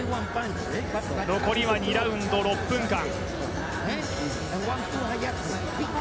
残りは２ラウンド６分間。